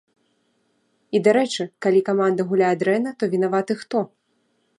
І, дарэчы, калі каманда гуляе дрэнна, то вінаваты хто?